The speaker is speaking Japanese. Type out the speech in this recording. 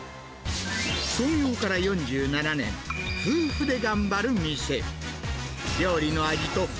創業から４７年、夫婦で頑張る店。